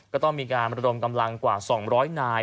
ก็ต้องมีการระดมกำลังกว่า๒๐๐นาย